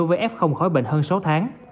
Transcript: đối với f khỏi bệnh hơn sáu tháng